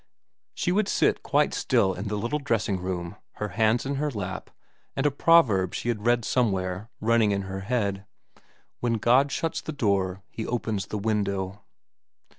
She would sit quite still in the little dressing room, her hands in her lap, and a proverb she had read somewhere running in her head : When God shuts the door He opens the window.